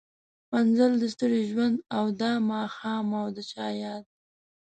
مزل د ستړي ژوند او دا ماښام او د چا ياد